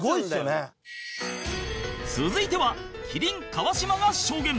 続いては麒麟川島が証言